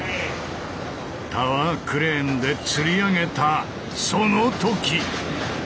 タワークレーンでつり上げたその時！